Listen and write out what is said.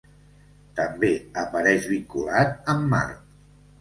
També apareix vinculat amb Mart.